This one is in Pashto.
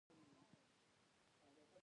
ما د عامو ناروغیو لپاره هم جملې جوړې کړې.